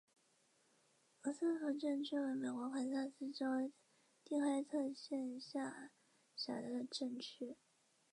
罗斯福镇区为美国堪萨斯州第开特县辖下的镇区。